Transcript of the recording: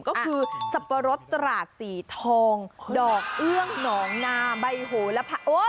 ก็คือสับปะรดตราดสีทองดอกเอื้องหนองนาใบโหและพระโอ